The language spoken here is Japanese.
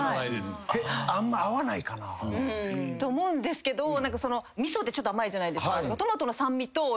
あんま合わないかな。と思うんですけど味噌ってちょっと甘いじゃないですか。